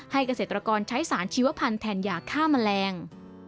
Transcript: เกษตรกรใช้สารชีวพันธ์แทนยาฆ่าแมลง